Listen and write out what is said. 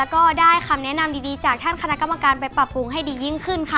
ก็ได้คำแนะนำดีจากท่านคณะกรรมการไปปรับปรุงให้ดียิ่งขึ้นค่ะ